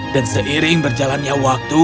dan seiring berjalannya waktu